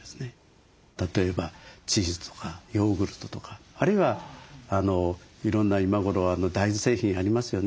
例えばチーズとかヨーグルトとかあるいはいろんな今頃は大豆製品ありますよね。